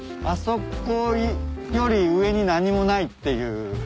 あそこより上に何もないっていう。